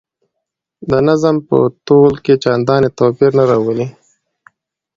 د نظم په تول کې چنداني توپیر نه راولي.